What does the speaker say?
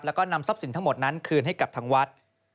แล้วก็นำทรัพย์สินทั้งหมดนั้นคืนให้กับทางวัด